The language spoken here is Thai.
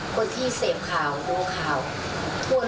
จัดตั้งบริษัทขึ้นมาของคุณสุธารักษ์